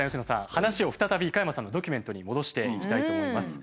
話を再び加山さんのドキュメントに戻していきたいと思います。